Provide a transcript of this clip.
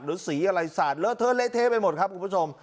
หรือสีอะไรสาดเหลือเธอเละเทไปหมดครับคุณผู้ชม